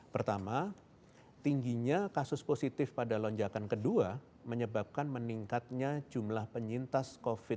pertama tingginya kasus positif pada lonjakan kedua menyebabkan meningkatnya jumlah penyintas covid sembilan belas